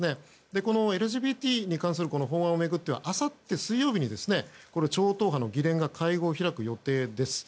このＬＧＢＴに関する法案を巡ってはあさって水曜日に超党派が会見を開く予定です。